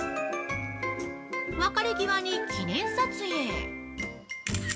別れ際に記念撮影。